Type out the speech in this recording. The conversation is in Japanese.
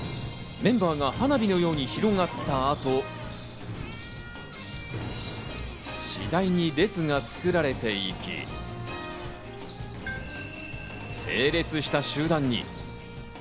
メンバーが花火のように広がった後、次第に列が作られていき、整列した集団に。